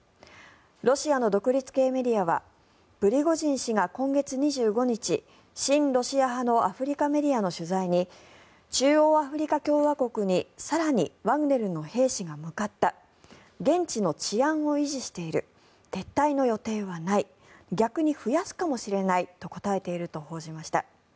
ロシアの独立系メディアはプリゴジン氏が今月２５日親ロシア派のアフリカメディアの取材に中央アフリカ共和国に更にワグネルの兵士が向かった現地の治安を維持している撤退の予定はない逆に増やすかもしれないと答えていると報じました。